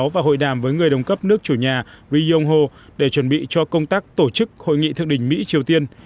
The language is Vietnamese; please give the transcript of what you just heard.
và hội đàm với người đồng cấp nước chủ nhà ri yong ho để chuẩn bị cho công tác tổ chức hội nghị thượng đỉnh mỹ triều tiên